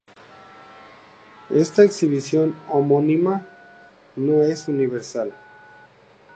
Esta inhibición homónima no es universal.